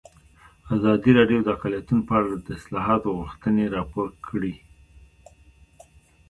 ازادي راډیو د اقلیتونه په اړه د اصلاحاتو غوښتنې راپور کړې.